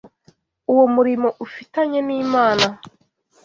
uwo murimo ufitanye n’Imana